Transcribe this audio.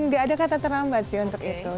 gak ada kata terlambat sih untuk itu